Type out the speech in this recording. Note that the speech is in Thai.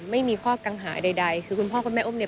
ไม่มีข้อกังหาใดคือคุณพ่อคุณแม่อุ้มเนี่ย